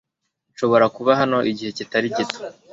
Nshobora kuba hano igihe kitari gito .